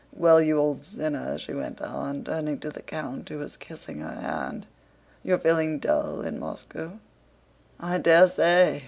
"Well, you old sinner," she went on, turning to the count who was kissing her hand, "you're feeling dull in Moscow, I daresay?